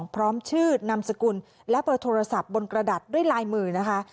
พร้อมชื่อนามสกุลและเบอร์โทรศัพท์บนกระดาษด้วยลายมือนะคะ